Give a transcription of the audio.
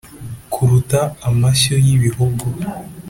Kuruta amashyo y' Ibihogo